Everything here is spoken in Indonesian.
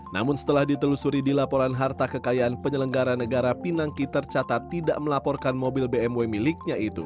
namun setelah ditelusuri di laporan harta kekayaan penyelenggara negara pinangki tercatat tidak melaporkan mobil bmw miliknya itu